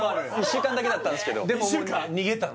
１週間だけだったんですけど逃げた？